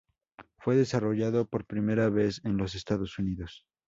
Fue desarrollado por primera vez en los Estados Unidos.